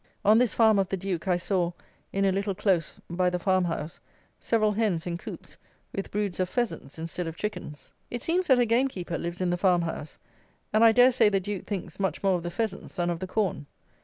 On this farm of the Duke I saw (in a little close by the farmhouse) several hens in coops with broods of pheasants instead of chickens. It seems that a gamekeeper lives in the farmhouse, and I dare say the Duke thinks much more of the pheasants than of the corn.